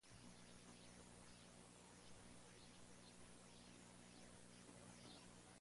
Los folículos tienen menos probabilidad de abrirse espontáneamente.